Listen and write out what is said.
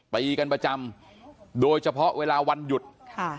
ตีกันประจำโดยเฉพาะเวลาวันหยุดค่ะ